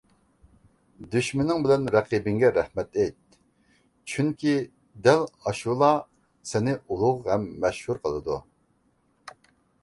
دۈشمىنىڭ بىلەن رەقىبىڭگە رەھمەت ئېيت. چۈنكى دەل ئاشۇلا سېنى ئۇلۇغ ھەم مەشھۇر قىلىدۇ.